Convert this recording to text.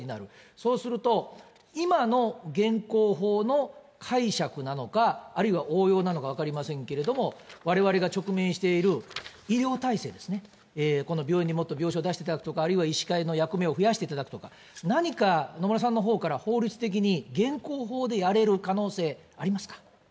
そうすると、今の現行法の解釈なのか、あるいは応用なのか分かりませんけれども、われわれが直面している医療体制ですね、この病院にもっと病床を出していただくとか、あるいは医師会の役目を増やしていただくとか、何か野村さんのほうから、法律的に現行法でやれる可能性、ありますか？